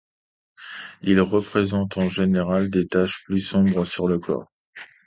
Ils présentent en général des taches plus sombres sur le corps.